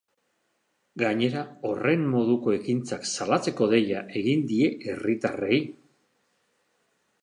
Gainera, horren moduko ekintzak salatzeko deia egin die herritarrei.